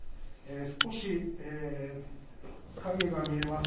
少し影が見えます。